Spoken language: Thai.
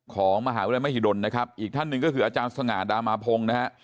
ของมหาวิทยาลมหิดลนะครับอีกท่านหนึ่งก็คืออาจารย์สง่าดามาพงศ์นะฮะ